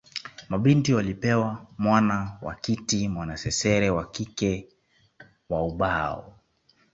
Mabinti walipewa mwana wa kiti mwanasesere wa kike wa ubao